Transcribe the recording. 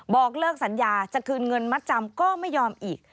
บอกเลิกสัญญาจะคืนเงินมัดจำก็ไม่ยอมอีก